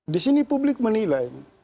di sini publik menilai